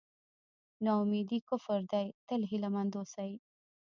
نا اميدي کفر دی تل هیله مند اوسئ.